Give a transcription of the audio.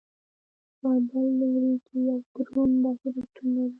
په بل لوري کې یو دروند بهیر شتون لري.